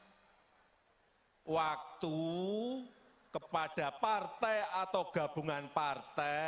hai waktu jus kepada partai atau gabungan partai